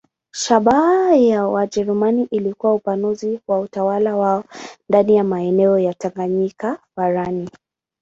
Shabaha ya Wajerumani ilikuwa upanuzi wa utawala wao ndani ya maeneo ya Tanganyika barani.